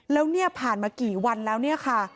แล้วเนี่ยผ่านมากี่วันแล้วเนี่ยค่ะ